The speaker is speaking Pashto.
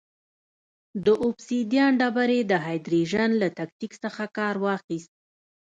د اوبسیدیان ډبرې د هایدرېشن له تکتیک څخه کار واخیست.